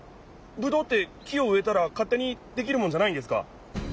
ぶどうって木をうえたらかってにできるもんじゃないんですか？